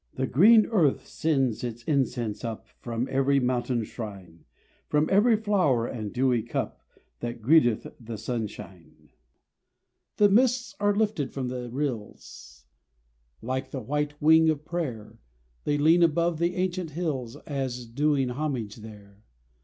The green earth sends its incense up From every mountain shrine, From every flower and dewy cup That greeteth the sunshine. The mists are lifted from the rills, Like the white wing of prayer: They lean above the ancient hills As doing homage there.